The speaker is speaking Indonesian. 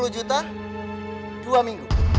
sepuluh juta dua minggu